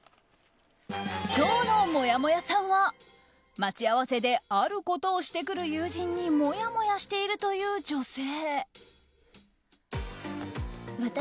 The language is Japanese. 今日のもやもやさんは待ち合わせであることをしてくる友人にもやもやしているという女性。